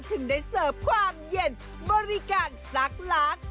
ถึงได้เสิร์ฟความเย็นบริการซักล้าง